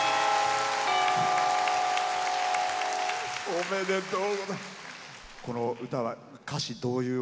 おめでとうございます。